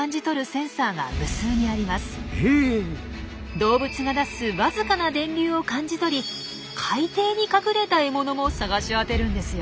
動物が出すわずかな電流を感じ取り海底に隠れた獲物も探し当てるんですよ。